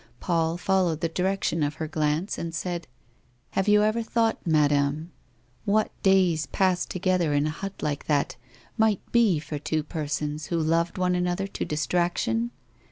Paul followed the direction of her glance, and said: "Have you ever thought, Madame, what days passed together in a hut like that might be for two persons who loved one another to distraction?